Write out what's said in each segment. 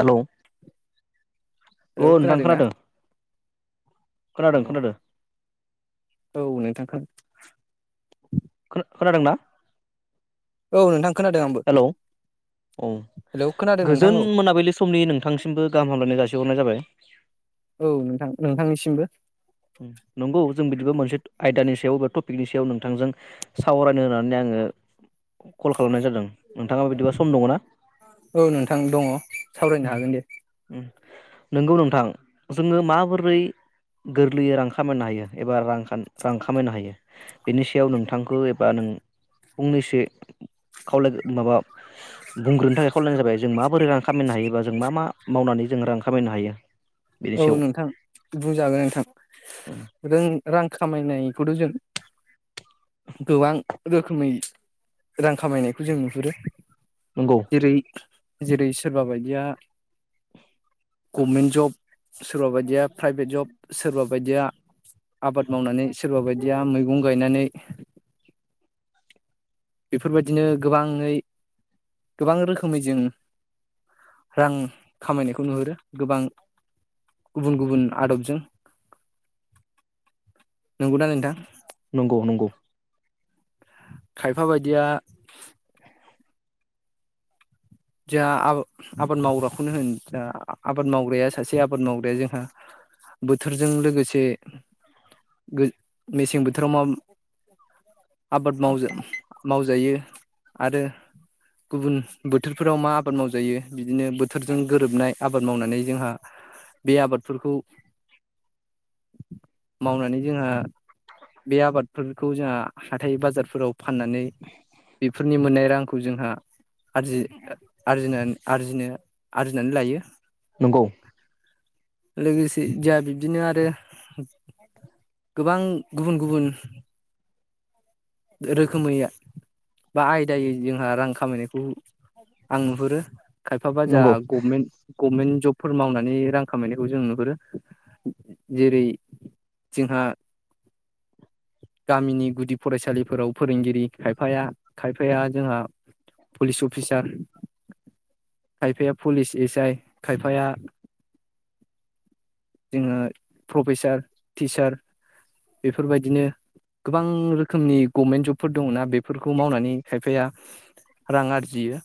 Hello अ hello नोंथां ना खोनादों? अ खोनादों खोनादों। औ नोंथां खोन खो-खोनादोंना? औ नोंथां खोनादों आंबो हेलौ औ हेलौ खोनादों नोंथां गोजोन औ मोनाबिलि समनि नोंथांसिमबो गाहाम हामलायनाय जासिहरनाय जाबाय। मबो नंगौ जों बिदिबा मोनसे आयदानि सायाव बा टपिकनि सायाव नोंथांजों सावरायनो होननानै आङो कल खालामनाय जादों। नोंथाङा बिदिबा सम दङ ना औ नोंथां दङ सावरायनो हागोन दे। नंगौ नोंथां जोङो माबोरै गोरलैयै रां खामायनो हायो एबा रां रां खामायनो हायो बेनि सायाव नोंथांखौ एबा नों फंनैसो खावलाय माबा बुंग्रोनो थाखाय खावलायानो जाबाय जों मा माबोरै रां खामायनो हायोबा जों मा मा मावनानै जों रां खामायनो हायो बेनि औ सायाव नोंथां बुंजागोन [unintelligible] खामायनायखौथ' जों गोबां रोखोमै रां खामायनायखौ जों नुहुरो नंगौ जेरै जेरै सोरबा बायदिया गभमेन्ट जब सोरबा बायदिया प्राइभेट जब सोरबा बायदिया आबाद मावनानै सोरबा बायदिया मैगं गायनानै बेफोरबायदिनो गोबाङै गोबां रोखोमै जों रां खामायनायखौ नुहुरो गोबां गुबुन गुबुन आदबजों नंगौना नोंथां? नंगौ नंगौ। खायफा बायदिया जा आ आबाद मावग्रा बेखौनो होन आबाद मावग्राया सासे आबाद मावग्राया जोंहा बोथोरजों लोगोसे जे गो मेसें बोथोराव मा आबाद मावज मावजायो आरो गुबुन बो बोथोरफोराव मा आबाद मावजायो बिदिनो बोथोरजों गोरोबनाय आबाद मावनानै जोंहा बे आबादफोरखौ मावनानै जोंहा बे आबादफोर खौ जोंहा हाथाइ बाजारफोराव फाननानै बेफोरनि मोननाय रां खौ जोंहा आरजि आरजि आरजिनो आरजिनानै लायो नंगौ। लोगोसे जाहा बिब्दिनो आरो गोबां गुबुन गुबुन रोखोमै बा आयदायै जोंहा रां खामायनायखौ आं नुहुरो खायफाबा जा नंगौ गभमेन्ट गभमेन्ट जबफोर मावनानै रां खामायनायखौ जों नुहुरो जेरै जोंहा गामिनि गुदि फरायसालि फोराव फोरोंगिरि खायफाया खायफाया जोंहा पुलिस अफिसार खायफाया पुलिस एस आइ खायफाया जोङो प्रफेसार टिचार बेफोरबायदिनो गोबां रोखोमनि गभमेन्ट जबफोर दङ ना बेफोरखौ मावनानै खायफाया रां आरजियो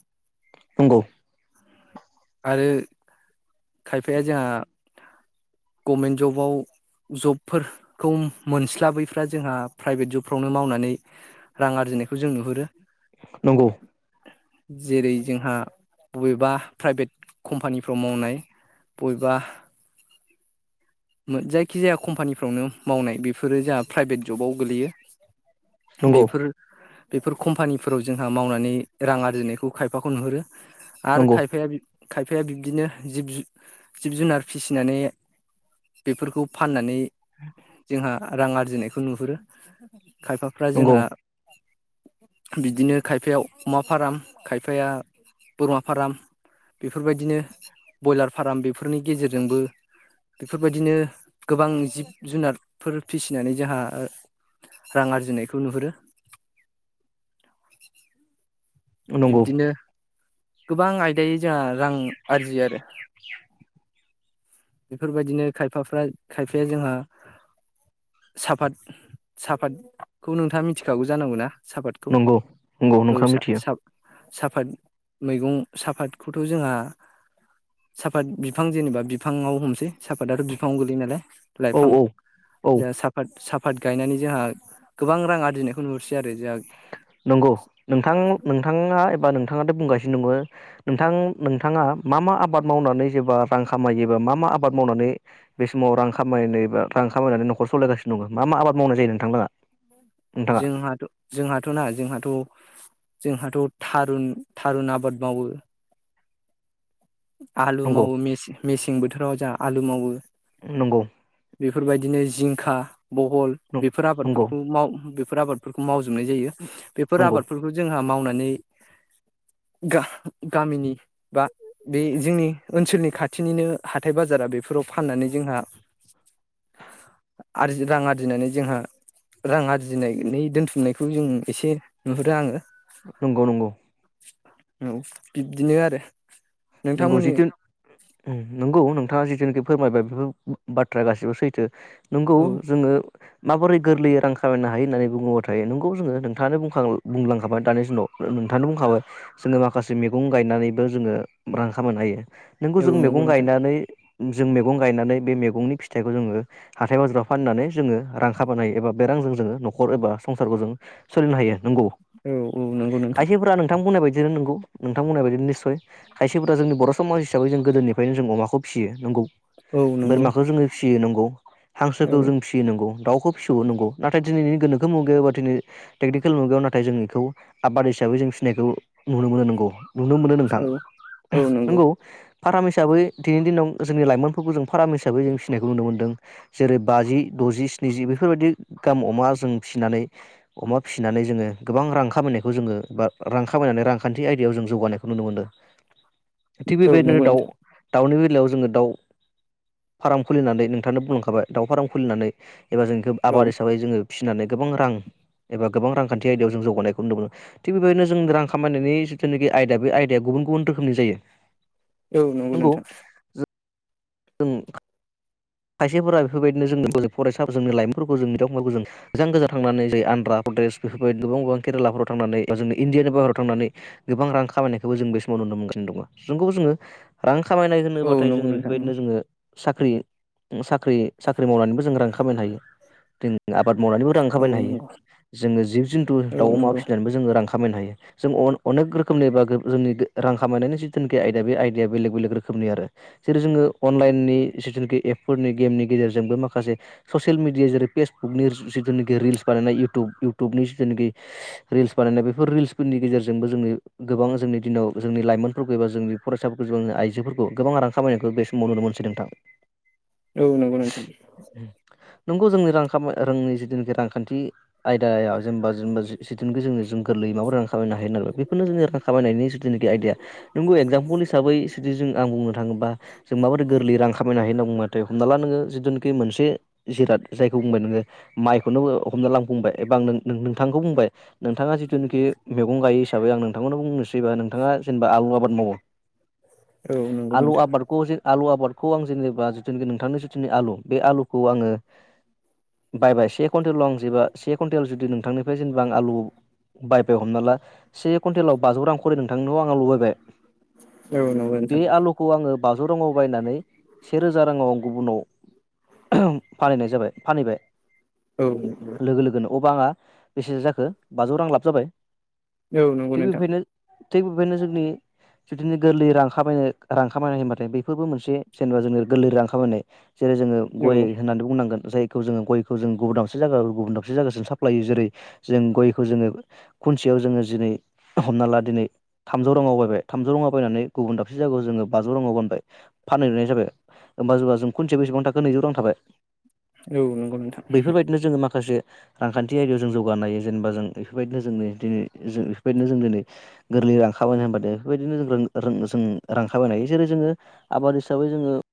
नोंंगौ। आरो खायफाया जोंहा गभमेन्ट जबाव जबफोरखौ मोनस्लाबैफ्रा जोंहा प्राइभेट जबफ्रावनो मावनानै रां आरजिनायखौ जों नुहुरो। नंगौ। जेरै जोंहा बबेबा प्राइभेट कम्पानिफ्राव मावनाय। बबेबा जायखिजाया कम्पानिफ्रावनो मावनाय बेफोरो जोंहा प्राइभेट जबाव गोलैयो। नंगौ बेफोर बेफोर कम्पानिफोराव जोंहा मावनानै रां आरजिनायखौ खायफाखौ नुहुरो। नंगौ आरो खायफाया। खायफाया बिब्दिनो जिब जिब जुनार फिसिनानै बेफोरखौ फाननानै जोंहा रां आरजिनायखौ नुहुरो। खायफाफ्रा जोंहा। बिदिनो खायफाया अमा फार्म, खायफाया बोरमा फार्म बेफोरबायदिनो ब्रयलार फार्म बेफोरनि गेजेरजोंबो। बेफोरबायदिनो गोबां जिब जुनारफोर फिसिनानै जोंहा रां आरजिनायखौ नुहुरो। नंगौ नंगौ बिब्दिनो। गोबां आयदायै जोंहा रां आरजियो आरो बेफोरबायदिनो खायफाफ्रा खायफाया जोंहा साफाद साफातखौ नोंथाङा मिथिखागौ जानांगौना। सापादखौ नंगौ औ नोंथां मिथियो साफात मैगं साफातखौथ' जोंहा साफात बिफां जेनेबा। बिफाङाव हमसै। साफाताथ' बिफाङाव गोलैयो नालाय औ लाइफां औ औ जा साफात सा साफाद गायनानै जोंहा गोबां रां आरजिनायखौ नु नंगौ नोंथां नोंथाङा एबा नोंथाङाथ' बुंगासिनो। नङ नोंथां नोंथाङा मा मा आबाद मावनानै जेबा रां खामायोबा मा मा आबाद मावनानै बे समाव रां खामायनाय बा रां खामायनानै न'खर सालायगासिनो दङ मा मा आबाद मावनाय जायो नोंथां। जोंहाथ जोंहाथ' ना जोंहाथ' जोंहाथ' थारुन थारुन आबाद मावो। आलु नंगौ मावो मेसें बोथोराव जा। आलु मावो। नंगौ। बेफोरबायदिनो जिंखा। बहल नंगौ बेफोर नंगौ आबादफोरखौ माव बेफोर आबादफोरखौ माव जानाय जायो बेफोर नंगौ आबादफोरखौ जोंहा मावनाय। नै गा गामिनि। बा बे जोंनि ओनसोलनि खाथिनिनो हाथाय बाजारा बेफोराव फाननानै जोंहा आरजि रां आरजिनानै जोंहा रां आरजिनायनि दोनथुमनायखौ जों एसे नुहुरो आङो। ओ नंगौ नंगौ। औ बिब्दिनो आरो नोंगौ नोंथांमोननि जिथुन उम उम नंगौ नोंथाङा जिथुनिखि फोरमायबाय बोफ [unintelligible] बो बाथ्रा गासिबो सैथो। नोंगौ औ जोङो माबोरै गोरलैयै रां खामायनो हायो होननानै बुङोबाथाय नोंगौ जोङो नोंथाङानो बुंखां बुंलांखाबाय दानि दिनाव नोंथाङानो बुंखाबाय जोङो माखासे मैगं गायनानैबो जोङो रां खामनो हायो। नोंगौ औ जों नंगौ मेगं नोंथां गायनानै उम जों मेगं गायनानै बे मेगंनि फिथाइखौ जोङो हाथाय बाजाराव फाननानै जोङो रां खाबानाय एबा बे रांजों जोङो न'खर एबा संसारखौ जों सोलिनो हायो। नंगौ औ औ नंगौ नोंथां खायसेफोरा नोंथां बुंनाय बायदिनो नोंगौ। नोंथां बुंनाय बायदिनो निस्सय खायसेफोरा जोंनि बर' समाज हिसाबै जों गोदोनिफ्रायनो जों अमाखौ भिसियो नंगौ। औ नंगौ बोरमाखौ जोङो भिसियो नंगौ। [inaudible] औ हांसोखौ जों भिसियो नंगौ दाउखौ भिसौओ नंगौ नाथाय दिनैनि गोनोखो मुगायाव बा दिनै टेकनिकेल मुगायाव नाथाय जों इखौ आबाद हिसाबै जों फिसिनायखौ नुनो मोनो नंगौ नुनो मोनो नोंथां। औ औ [unintelligible] नंगौ गौ फाराम हिसाबै दिनैनि दिनाव जोंनि लाइमोनफोरखौ जों फाराम हिसाबै जों फिसिनायखौ नुनो मोन्दों जेरै बाजि द'जि स्निजि बेफोरबायदि गाहाम अमा जों फिसिनानै अमा फिसिनानै जोङो गोबां रां खामायनायखौ जोङो बा रां खामायनानै रांखान्थि आयदायाव जों जौगानायखौ नुनो मोनदों थिग औ बेबायदिनो नंगौ दाउ नोंथां दाउनि [unintelligible] लायाव जोङो दाउ फाराम खुलिनानै नोंथांनो बुंलांखाबाय दाउ फाराम खुलिनानै एबा इखोब औ आबाद हिसाबै जोङो फिसिनानै गोबां रां एबा गोबां रांखान्थि आयदायाव जों जौगानायखौ नुनो मोनो थिग बेबायदिनो जों रां खामायनायनि जिथुनाखि आयदा बे आयदाया गुबुन गुबुन रोख खोमनि जायो औ नंगौ नोंथां। ओंख खायसेफोरा बेफोरबायदिनो जोंनो बोलोब फरायसाफोर जोंनि लाइमोनफोरबो जोंनि बिदा फंबायबो जों [unintelligible] जों गोजा थांनानै जायो आनद्रा प्रदेश बेफोरबायदि गोबां गोबां केरेलाफोराव थांनानै बा जों इण्डियानि भारताव थांनानै गोबां रां खामनायखौबो जों बे समाव नुनो मोनगासिनो दङ जोंखौ जोङो रां खामायनाय औ होनोबाथाय नंगौ जोङो नोंथां बेफोरबायदिनो जोङो साख्रि उम साख्रि साख्रि मावनानैबो जों रां ख खामायनो हायो दों आबाद मावनानैबो रां औ खामायनो हायो नंगौ जोङो जिब जुनटु औ दाउ अमा नंगौ फिसिनानैबो जोङो रां खा खामायनो हायो जों अन‌ अनेक रोखोमनि बा गोब ओ जोंनि गो रां खामायनायनि जिथुनिखि आयदा बे आयदाया बेलेग बेलेग रोखोमनि आरो जेरै जोङो अनलाइननि जिथुनाखि एप फोरनि गेमनि गेजेरजोंबो माखासे ससियेल मिडिया जेरै पेसबुकनि जि जिथुनाखि रिल्स बानायनाय इउटुब इयउटुबनि जिथुनेखि रिल्स बानायनाय बेफोर रिल्सफोरनि गेजेरजोंबो जोंनि गोबां जोंनि दिनाव जोंनि लाइमोनफोरखौ एबा जोंनि फरायसाफोरखौ जोंनि आइजोफोरखौ गोबां रां खामायनायखौ बे समाव नुनो मोनसै नोंथां। औ नंगौ नोंथां नंगौ जोंनि रांखामाय रोंनि जिथुनाखि रांखान्थि आयदायाव जेनबा जोंबो जेथुनोखि जों गोरलैबाव रां खामायनो हायो नालाय बेफोरनो जों रां खामायनायनि जिथुनाखि आइडिया नोंगौ एगजामपोल हिसाबै जुदि जोंं आं बुंनो थाङोबा जों माबोरै गोरलै रां खामायनो हायो होनना बुंबाथाय हमना ला नोङो जिथुनोखि मोनसे जिराद जायखौ बुंबाय नोङो माइखौनो हमना ला आं बुंबाय एबा नों नोंथांखौ बुंबाय नोंथाङा जिथुनोखि मैगं गायो साबै आं नोंथांखौनो बुंनो फैबा नोंथाङा जेनेबा आलु आबाद मावो औ नंगौ आलु नोंथां आबादखौ जे आलु आ बादखौ आं जेनेबा नोंथांनि जिथु ने आलु बे आलुखौ आङो बायबा एसे कुइन्टलाव आं जेबा से कुइनटेल जुदि नों नोंथांनिफ्राय जेनेबा आं आलु बायबाय हमना ला से कुइनटेलाव बाजौ रां खरै नोंथांनाव आङो आलु बायबाय औ नंगौ बे नोंथां आलुखौ आङो बौजौ राङाव बायनानै से रोजा राङाव आं गुबुनाव फानहैनाय जाबाय फानहैबाय औ औ नंगौ नोंथां लोगो लोगोनो अब्ला आंहा बेसेसो जाखो बाजौ रां लाब जाबाय औ नंगौ थिग नोंथां बेबायदिनो थिग बेबायदिनो जोंनि बिदिनो गोरलै रां खामायनो रां खामायनाय होनबाथाय बेफोरबो मोनसे जेनेबा जोङो गोरलै रां खामायनाय जेरै जोङो औ गय होननानै बुंनांगोन जाय खौ जोङो गयखौ जों गुबुन दाबसे जायगानिफ्राय गुबुन दाबसे जायगासिम साप्लायहोयो जेरै जों गयखौ जोङो खुनसेयाव जोङो जेरै हमना ला दिनै थामजौ राङाव बायबाय थामजौ राङाव बायनानै गुबुन दाबसे जायगायाव जोङो बाजौ राङाव फानबाय फानहैनाय जाबाय होमबा जोंहा जों खुनसेयाव बेसेबां थाखो नैजौ रां थाबाय औ नंगौ नोंथां बेफोरबायदिनो [unintelligible]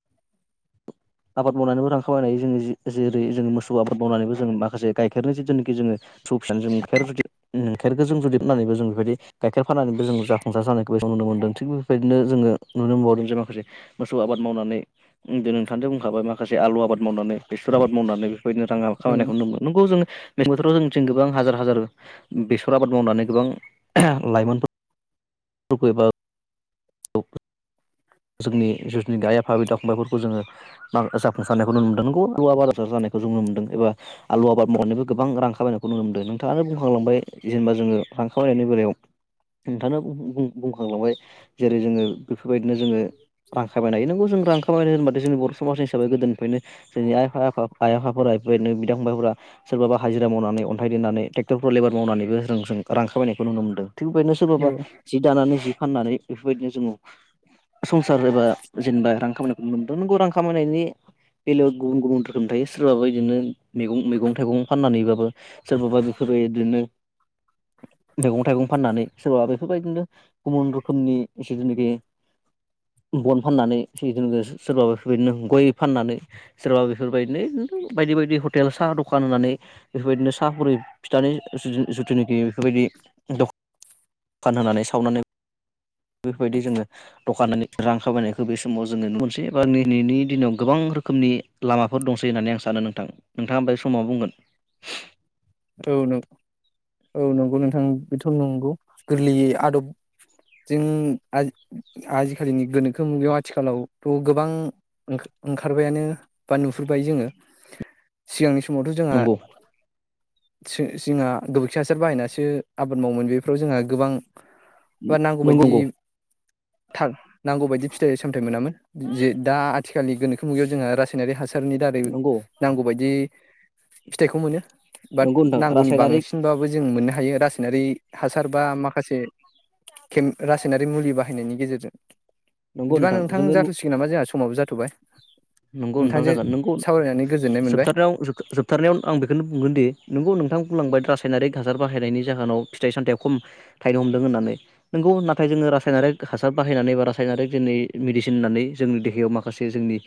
आबाद मावनानैबो रां खामायनो हायो जों जेरै जों मोसौ आबाद मावनानैबो जों माखासे गाइखेरनि जिथु नोखि जोङो मोसौ फिनानै जों गाइखेरखौ जों जुदि फनानैबो जों बेफोरबायदि गाइखेर फाननानैबो जों जाफुंसार जानायखौ जों नुनो मोनदों थिग बेफोरबायदिनो जोङो नुनो मोनबावदों जे माखासे मोसौ आबाद मावनानै नोंथाङादि बुंखाबाय मा खासे आलु आबाद मावनानै बेसर आबाद मावनानैबो रां खामायखौ नुनो मोनो नंगौ जोङो मेसें बोथोराव जों गोबां हाजार-हाजार बेसर आबाद मावनानै गोबां लाइमोनफोर [unintelligible] [unintelligible] जोंनि जितुनिखि आइ आफा बिदा फंबायफोरखौ जोङो मा जाफुंसारनायखौ नुनो मोनदों नोंगौ आलु आबाद [unintelligible] जानायखौ जों नु मोनदों एबा आलु आबाद मावनायबो गोबां रां खामायनायखौ नुनो मोन्दों नोंथाङानो बुंखांलांबाय जेनेबा जोङो रां खामायनायनि बेलायाव नोंथाङा बुं बुं बुंखांलांबाय जेरै जोङो बेफोरबायदिनो जोङो रां खामायनो हायो नोंगौ जों रां खा खामायनो होनबाथाय जोंनि बर समाजनि हिसाबै गोदोनिफ्रायनो जोंनि आइ आफा आइ आफाफोरा इफोरबायदिनो बिदा फंबायफोरा सोरबाबा हाजिरा मावनानै अन्थाइ देनानै ट्रेक्टरफ्राव लेबार मावनानैबो रों जों रां खामायनायखौ नुनो मोनदों थिग बेबायदिनो सोरबाबा जि दानानै जि फाननानै बेफोरबायदिनो जोङो संसार एबा जेनेबा रां खामायनायखौ नुनो मोनदों नोंगौ रां खामायनायनि बेलायाव गुबुन गुबुन रोखोम थायो सोरबाबो इदिनो मैगं मैगं थाइगं फाननानैबाबो सोरबाबा बेफोरबायदिनो मैगं थाइगं फाननानै सोरबा बेफोरबायदिनो गुबुन रोखोमनि जितुनोखि बन फाननानै सोरबाबा बेफोरबायदिनो गय फाननानै सोरबा बेफोरबायदिनो बायदि बायदि हटेल साहा दखान होनानै बेफोरबायदिनो साहा बुरि फिथानि जुथुनाखि बेफोरबायदि दखान दखान होनानै सावनानै बेफोरबायदि जोङो दखाननानै रां खामायनायखौ बे समाव जोङो नुनो मोनसै एबा दिनैनि दिनाव गोबां रोखोमनि लामाफोर दंसै होननानै आं सानो नोंथां नोंथाङा ओमफाय बे समाव मा बुंगोन औ नोंगौ औ नंगौ नोंथां ओं बेथ नंगौ गोरलैयै आदब जों आजिखालिनि गोनोखो मुगायाव आथिखालावथ गोबां ओंखारो ओंखारबायानो बा नुहुरबाय जोङो सिगांनि सम समावथ जोंहा नंगौ जोंहा गोबोरखि हासार बाहायनासो आबाद मावोमोन बेफोराव जोंहा गोबां बा नांगौबादि नंगौ नंगौ थां नांगौ बायदि फिथाइ सामथाय मोनामोन जे दा आथिखालनि गोनोखो मुगायाव जोंहा रासायनारि हासार सारनि दारै नंगौ नांगौ बादि फिथाइखौ मोनो बाट नंगौ नोंथां नांगौनि रासायनारिक बांसिनबाबो जों मोननो हा हायो रासायनारि हासार बा माखासे केम रासायनारि मुलि बाहायनायनि गेजेरजों नंगौ बिदिबा नोंथां जोङो नु जाथ'सिगोन नामा जोंहा समाबो जाथ'बाय नंगौ नोंथां नोंथांजों जागोन नोंगौ सावरायनानै गोजोननाय मोनबाय। जोबथारनायाव जोबथार जोबथारनायाव आं बेखौनो बुंगोन दि नोंगौ नोंथां बुंलांबाय रासायनारिक हासार बाहायनायनि जाहोनाव फिथाइ सामथाया खम थाइनो हमदों होननानै नोंगौ नाथाय जोङो रासायनारिक हासार बाहायनानै बा रा सायनारिक दिनै मेडिसिन होननानै जोंनि देहायाव माखासे जोंनि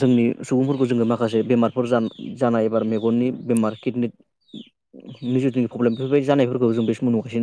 जोंनि सुबुंफोरखौ जोङो माखासे बेमारफोर जान जानाय एबा मेगननि बेमार किडनि नि जुथनि प्रब्लेम बेफोरबायदि जानायफोरखौ जों बे सम नुगासिनो दं